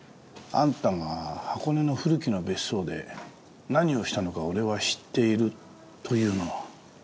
「あんたが箱根の古木の別荘で何をしたのか俺は知っている」というのは？